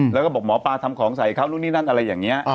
แล้วก็บอกหมอปลาทำของใส่เขานู่นนี่นั่นอะไรอย่างนี้